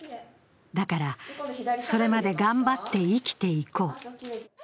だから、それまで頑張って生きていこう。